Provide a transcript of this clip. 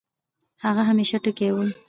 هغه همېشه ټکے وۀ